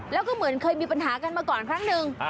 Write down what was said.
แล้วก็เหมือนเคยมีปัญหากันมาก่อนครั้งหนึ่ง